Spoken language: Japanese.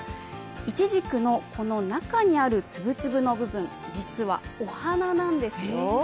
いちじくのこの中にある粒々の部分実はお花なんですよ。